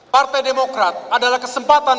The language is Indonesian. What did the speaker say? partai demokrat adalah kesempatan